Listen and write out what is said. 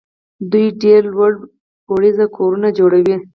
دوی ډېر لوړ پوړیز کورونه جوړوي.